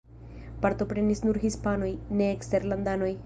Partoprenis nur hispanoj, ne eksterlandanoj.